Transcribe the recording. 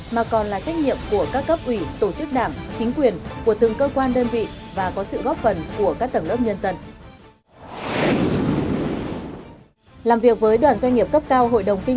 mà còn là trách nhiệm của các cấp ủy tổ chức đảng chính quyền của từng cơ quan đơn vị và có sự góp phần của các tầng lớp nhân dân